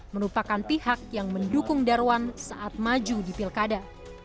merupakan pihak yang mendukung darwan saat maju di pilkada